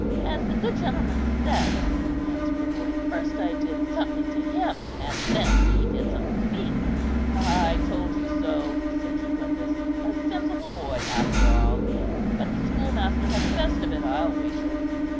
"As the good gentleman says," answered the boy, "first I did something to him, and then he did something to me." "I told you so," said Jucundus; "a sensible boy, after all; but the schoolmaster had the best of it, I'll wager."